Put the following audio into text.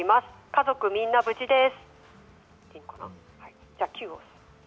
家族みんな無事です。